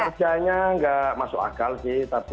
kalau percaya tidak masuk akal sih